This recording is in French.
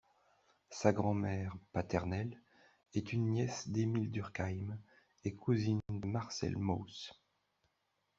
Sa grand-mère paternelle est une nièce d’Émile Durkheim et cousine de Marcel Mauss.